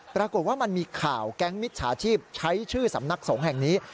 ปรากฏว่ามันมีข่าวแก๊งมิจฉาชีพใช้ชื่อสำนักสงฆ์แห่งนี้